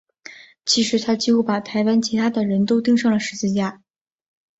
其实他几乎把台湾其他的人都钉上了十字架。